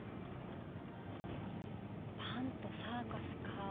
パンとサーカスか。